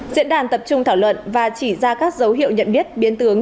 diễn đàn tập trung thảo luận và chỉ ra các dấu hiệu nhận biết biến tướng